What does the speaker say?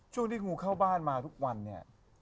ช่วงที่งูเข้าบ้านมาทุกวันเนี่ย